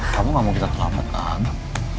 kamu gak mau kita terlambat nam